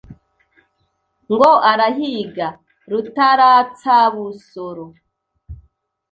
Ngo arahiga rutaratsabusoro